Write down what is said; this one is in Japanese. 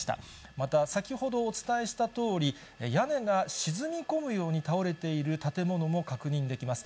また、先ほどお伝えしたとおり、屋根が沈み込むように倒れている建物も確認できます。